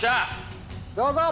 どうぞ。